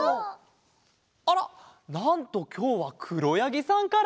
あらなんときょうはくろやぎさんから？